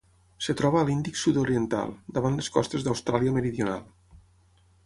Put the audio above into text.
Es troba a l'Índic sud-oriental: davant les costes d'Austràlia Meridional.